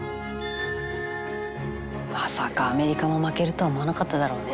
「まさかアメリカも負けるとは思わなかっただろうね」